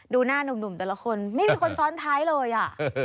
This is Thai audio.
ดูหน้านุ่มแต่ละคนไม่มีคนซ้อนท้ายเลยอ่ะ